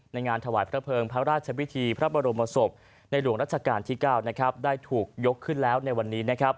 งานถวายพระเภิงพระราชพิธีพระบรมศพในหลวงรัชกาลที่๙ได้ถูกยกขึ้นแล้วในวันนี้